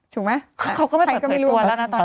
ถูกไหมใครก็ไม่รู้